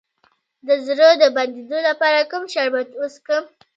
د زړه د بندیدو لپاره کوم شربت وڅښم؟